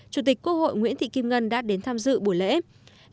chủ tịch quốc hội nguyễn thị kim ngân đã đến tham dự buổi lễ